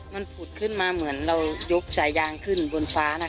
มันผุดขึ้นมาเหมือนเรายกสายยางขึ้นบนฟ้านะคะ